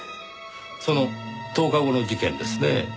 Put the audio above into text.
その１０日後の事件ですねぇ。